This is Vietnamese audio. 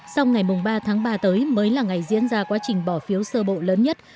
sau ngày ba tháng ba tới mới là ngày diễn ra quá trình bỏ phiếu sơ bộ lớn nhất